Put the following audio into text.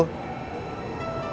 harus sekarang gak bisa nanti